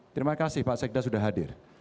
terima kasih pak sekda sudah hadir